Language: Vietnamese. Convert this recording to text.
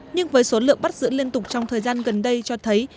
nhưng với số lượng bắt giữ liên tục trong thời gian gần đây cho thấy